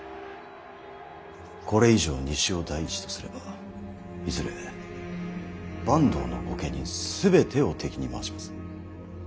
これ以上西を第一とすればいずれ坂東の御家人全てを敵に回します。